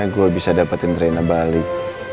gue bisa dapetin drena balik